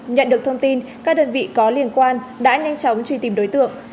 nhận được thông tin các đơn vị có liên quan đã nhanh chóng truy tìm đối tượng